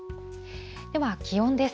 では、気温です。